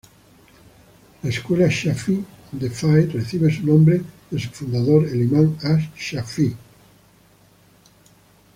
La escuela Shāfi‘ī de fiqh recibe su nombre de su fundador, el imán ash-Shāfi‘ī.